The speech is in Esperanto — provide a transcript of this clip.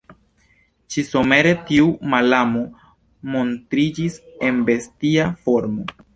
Ĉi-somere tiu malamo montriĝis en bestia formo.